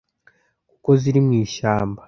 kuko ziri mu ishyamba